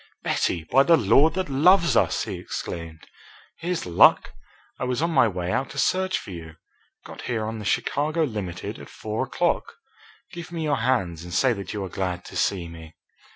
"Betty, by the Lord that loves us!" he exclaimed. "Here's luck! I was on my way out to search for you. Got here on the Chicago Limited at four o'clock. Give me your hands and say that you are glad to see me."